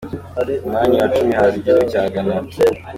Ku mwanya wa cumi haza igihugu cya Ghana.